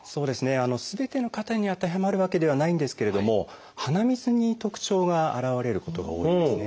すべての方に当てはまるわけではないんですけれども鼻水に特徴が現れることが多いですね。